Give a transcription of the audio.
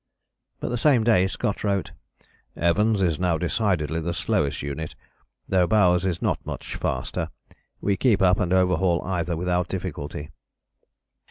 But the same day Scott wrote, "Evans' is now decidedly the slowest unit, though Bowers' is not much faster. We keep up and overhaul either without difficulty."